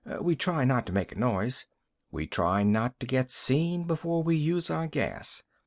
We try not to make a noise. We try not to get seen before we use our gas.